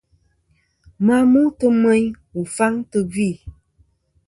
Ma mutɨ meyn wù faŋ tɨ̀ gvì.